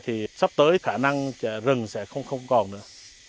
thì sắp tới khả năng rừng sẽ không còn nữa